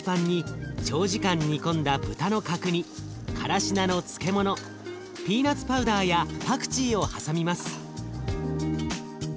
長時間煮込んだ豚の角煮からし菜の漬物ピーナツパウダーやパクチーを挟みます。